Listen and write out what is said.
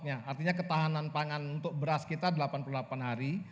artinya ketahanan pangan untuk beras kita delapan puluh delapan hari